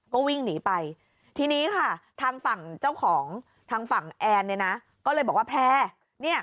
ก็วิ่งหนีไปทีนี้ค่ะทางฝั่งเจ้าของทางฝั่งแอนเนี่ยนะก็เลยบอกว่าแพร่